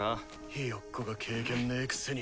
ひよっこが経験ねぇくせに。